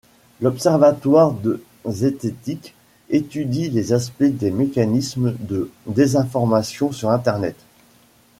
L'Observatoire de zététique étudie les aspects des mécanismes de désinformation sur Internet.